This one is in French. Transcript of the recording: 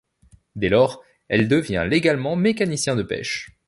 Dès lors, elle devient légalement mécanicien de pêche.